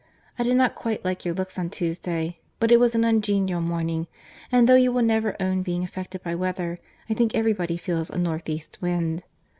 —I did not quite like your looks on Tuesday, but it was an ungenial morning; and though you will never own being affected by weather, I think every body feels a north east wind.